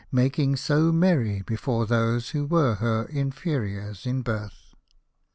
making so merry before those who were her inferiors in birth.